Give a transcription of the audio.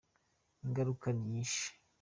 Ingaruka ni nyinshi.